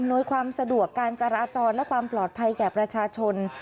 โดยความสะดวกการจราจรและความปลอดภัยแก่ประชาชน